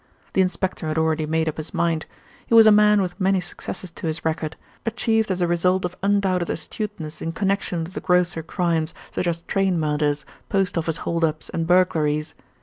The inspector had already made up his mind. He was a man with many successes to his record, achieved as a result of undoubted astuteness in connection with the grosser crimes, such as train murders, post office hold ups and burglaries.